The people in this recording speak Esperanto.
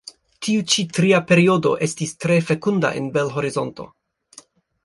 Tiu ĉi tria periodo estis tre fekunda en Bel-Horizonto.